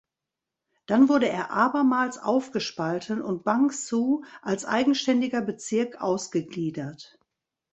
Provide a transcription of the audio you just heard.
Dann wurde er abermals aufgespalten und Bang Sue als eigenständiger Bezirk ausgegliedert.